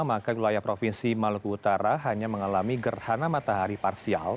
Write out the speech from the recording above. maka wilayah provinsi maluku utara hanya mengalami gerhana matahari parsial